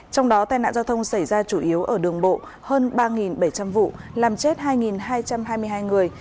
trong đó tai nạn giao thông xảy ra chủ yếu ở đường bộ hơn ba bảy trăm linh vụ làm chết hai hai trăm hai mươi hai người